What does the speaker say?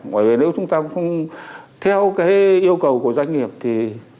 bởi vì nếu chúng ta cũng không theo cái yêu cầu của doanh nghiệp thì